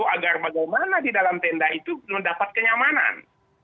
agar bagaimana di dalam tenda itu mendapat kenyamanan